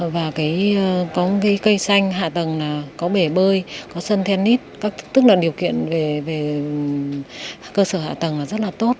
và có cây xanh hạ tầng có bể bơi có sân tennis tức là điều kiện về cơ sở hạ tầng rất là tốt